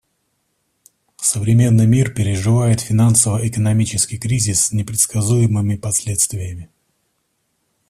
Современный мир переживает финансово-экономический кризис с непредсказуемыми последствиями.